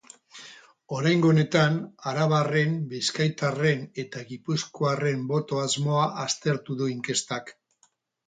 Oraingo honetan, arabarren, bizkaitarren eta gipuzkoarren boto-asmoa aztertu du inkestak.